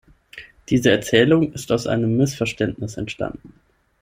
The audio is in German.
Diese Erzählung ist aus einem Missverständnis entstanden.